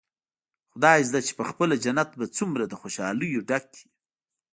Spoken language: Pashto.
خدايزده چې پخپله جنت به څومره له خوشاليو ډک وي.